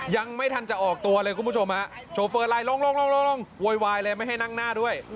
ยังไม่ทันจะออกตัวเลยคุณผู้ชมฮะโชเฟอร์ไลน์ลงโวยวายเลยไม่ให้นั่งหน้าด้วย